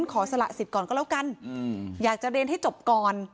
สละสิทธิ์ก่อนก็แล้วกันอยากจะเรียนให้จบก่อน